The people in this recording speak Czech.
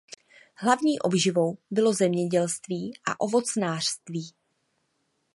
Hlavní obživou bylo zemědělství a ovocnářství.